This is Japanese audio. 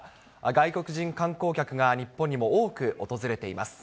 外国人観光客が日本にも多く訪れています。